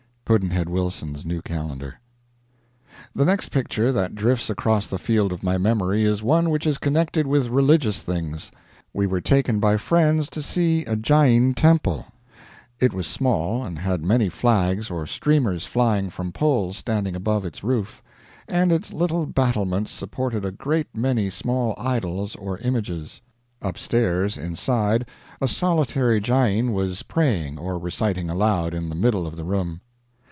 Pudd'nhead Wilson's New Calendar. The next picture that drifts across the field of my memory is one which is connected with religious things. We were taken by friends to see a Jain temple. It was small, and had many flags or streamers flying from poles standing above its roof; and its little battlements supported a great many small idols or images. Upstairs, inside, a solitary Jain was praying or reciting aloud in the middle of the room.